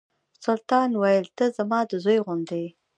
سلطان ویل ته زما د زوی غوندې یې.